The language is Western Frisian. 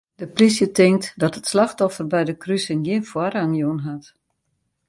De plysje tinkt dat it slachtoffer by de krusing gjin foarrang jûn hat.